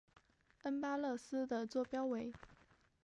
恩巴勒斯的座标为。